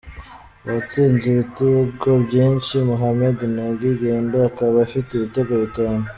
Uwatsinze ibitego byinshi : Mohammed Nagy "Gedo" akaba afite ibitego bitanu.